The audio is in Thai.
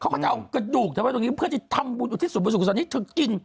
เขาก็จะเอากระดูกทำไว้ตรงนี้เพื่อจะทำบุญอุทิศสุขส่วนให้เธอกิน